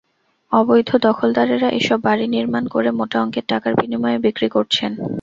অবৈধ দখলদারেরা এসব বাড়ি নির্মাণ করে মোটা অঙ্কের টাকার বিনিময়ে বিক্রি করছেন।